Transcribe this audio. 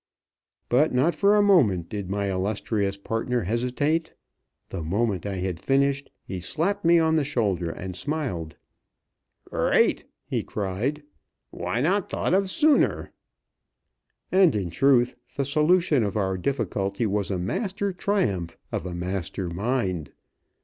But not for a moment did my illustrious partner hesitate. The moment I had finished, he slapped me on the shoulder and smiled. "Great!" he cried, "why not thought of sooner?" And, in truth, the solution of our difficulty was a master triumph of a master mind.